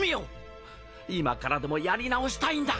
今からでもやり直したいんだ！